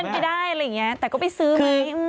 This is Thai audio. พอเป็นไปได้อะไรอย่างนี้แต่ก็ไปซื้อไง